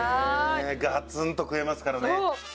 がつんと食えますからね。